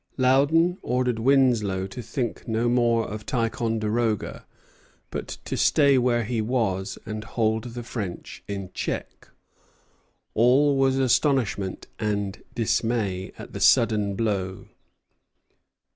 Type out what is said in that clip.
Loudon ordered Winslow to think no more of Ticonderoga, but to stay where he was and hold the French in check. All was astonishment and dismay at the sudden blow.